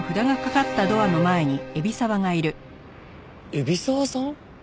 海老沢さん？